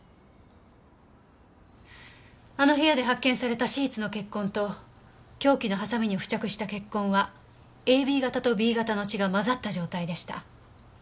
あの部屋で発見されたシーツの血痕と凶器のハサミに付着した血痕はＡＢ型とＢ型の血が混ざった状態でした。